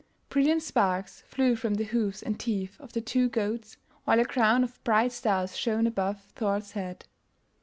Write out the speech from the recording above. Brilliant sparks flew from the hoofs and teeth of the two goats, while a crown of bright stars shone above Thor's head.